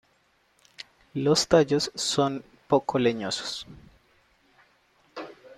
Los tallos son poco leñosos.